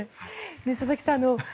佐々木さん